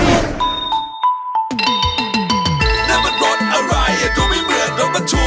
แล้วมันรถอะไรอย่าดูไม่เหมือนระวัตถุ